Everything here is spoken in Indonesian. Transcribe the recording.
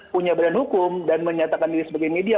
punya badan hukum dan menyatakan diri sebagai media